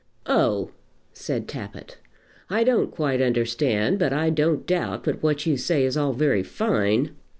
"Oh," said Tappitt; "I don't quite understand, but I don't doubt but what you say is all very fine."